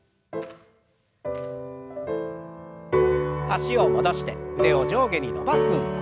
脚を戻して腕を上下に伸ばす運動。